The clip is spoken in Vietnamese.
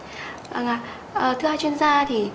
vâng ạ thưa hai chuyên gia thì